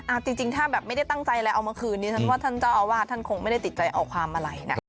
จริงถ้าแบบไม่ได้ตั้งใจอะไรเอามาคืนนี้ฉันว่าท่านเจ้าอาวาสท่านคงไม่ได้ติดใจเอาความอะไรนะ